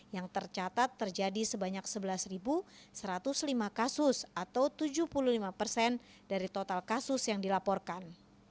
yang tercatat terjadi sebanyak sebelas satu ratus lima kasus atau tujuh puluh lima persen dari total kasus yang dilaporkan